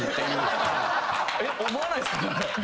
思わないっすか？